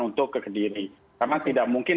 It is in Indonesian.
untuk kekediri karena tidak mungkin